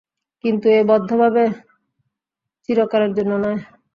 কিন্তু এ বদ্ধভাব চিরকালের জন্য নয়।